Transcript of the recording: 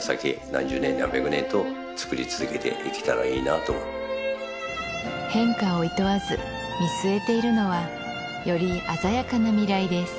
何十年何百年と作り続けていけたらいいなと変化をいとわず見据えているのはより鮮やかな未来です